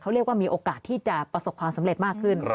เรียกว่ามีโอกาสที่จะประสบความสำเร็จมากขึ้น